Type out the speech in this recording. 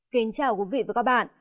kính chào quý vị và các bạn